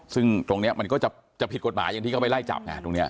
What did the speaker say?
ซึ่งตรงนี้มันก็จะผิดกฎหมายอย่างที่เขาไปไล่จับไงตรงนี้